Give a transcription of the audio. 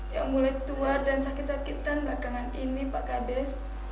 yang mulai tua dan sakit sakitan belakangan ini pak kades